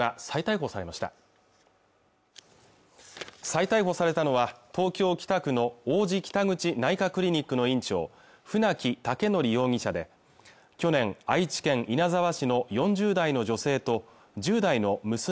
再逮捕されたのは東京・北区の王子北口内科クリニックの院長船木威徳容疑者で去年愛知県稲沢市の４０代の女性と１０代の娘